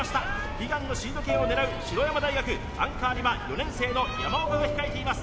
悲願のシード権を狙う白山大学アンカーには４年生の山岡が控えています